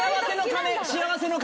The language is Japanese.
⁉幸せの鐘！